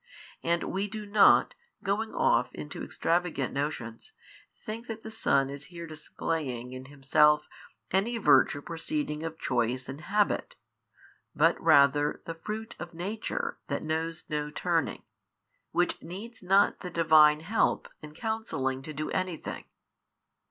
And we do not, going off into extravagant notions, think that the Son is here displaying in Himself any virtue proceeding of choice and habit, but rather the Fruit of Nature That knows no turning, Which |618 needs not the Divine [help] in counselling to do anything.